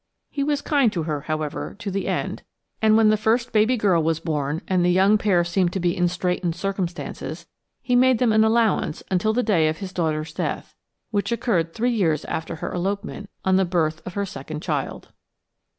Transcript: He was kind to her, however, to the end, and when the first baby girl was born and the young pair seemed to be in straitened circumstances, he made them an allowance until the day of his daughter's death, which occurred three years after her elopement, on the birth of her second child.